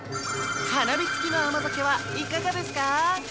花火つきの甘酒はいかがですか？